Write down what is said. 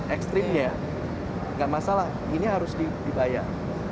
ekstrimnya nggak masalah ini harus dibayar